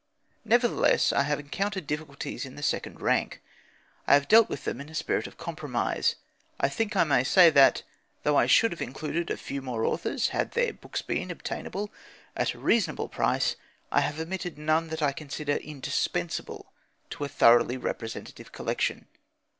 Nevertheless, I have encountered difficulties in the second rank; I have dealt with them in a spirit of compromise. I think I may say that, though I should have included a few more authors had their books been obtainable at a reasonable price, I have omitted none that I consider indispensable to a thoroughly representative collection.